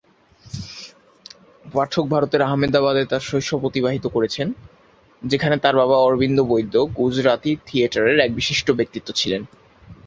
পাঠক ভারতের আহমেদাবাদে তাঁর শৈশব অতিবাহিত করেছেন, যেখানে তাঁর বাবা অরবিন্দ বৈদ্য গুজরাতি থিয়েটারের এক বিশিষ্ট ব্যক্তিত্ব ছিলেন।